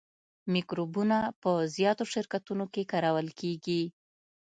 مکروبونه په زیاتو شرکتونو کې کارول کیږي.